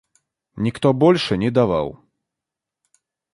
Никто больше не давал.